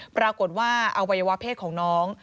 ปรากฏว่าอวัยวะเพศของน้อง